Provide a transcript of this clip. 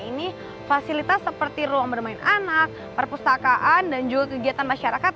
ini fasilitas seperti ruang bermain anak perpustakaan dan juga kegiatan masyarakat